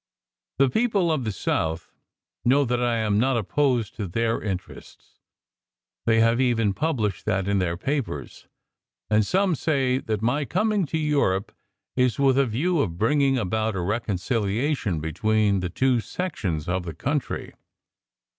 The people of the South know that I am not opposed to their interests. They have even published that in their papers, and some say that my coming to Europe is with a view to bringing about a reconciliation between the two sections of the country.